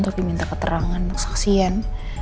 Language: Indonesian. untuk diminta keterangan saksian